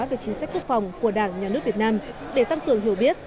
về chính sách quốc phòng của đảng nhà nước việt nam để tăng cường hiểu biết